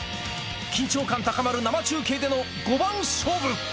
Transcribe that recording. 緊張感高まる生中継での５番勝負。